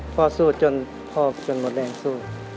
สู้จนพ่อจนหมดแรงสู้